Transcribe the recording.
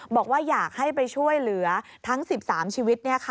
บอกว่าอยากให้ไปช่วยเหลือทั้ง๑๓ชีวิต